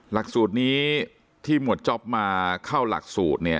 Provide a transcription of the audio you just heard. หลักสูตรนี้ที่หมวดจ๊อปมาเข้าหลักสูตรเนี่ย